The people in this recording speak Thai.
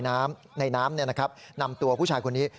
น้ำในน้ำนำตัวผู้ชายคนนี้